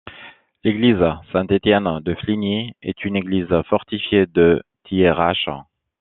L'église Saint-Étienne de Fligny est une église fortifiée de Thiérache.